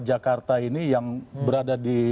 jakarta ini yang berada di